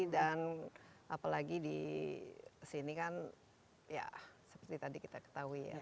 dan apalagi di sini kan ya seperti tadi kita ketahui ya